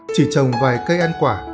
chỉ trồng vài cây ăn quả